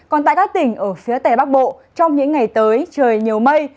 còn tại các tỉnh ở phía tây bắc bộ trong những ngày tới trời nhiều mây